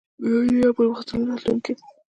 یو نوی او پرمختللی راتلونکی.